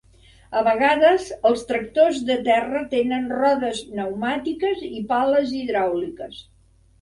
A vegades, els tractors de terra tenen rodes pneumàtiques i pales hidràuliques.